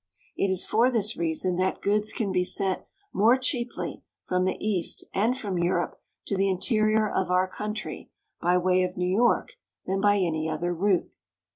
It is for this reason that goods can be sent more cheaply from the East and from Europe to the interior of our country by way of New York than by any other route.